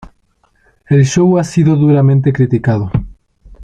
El show ha sido duramente criticado.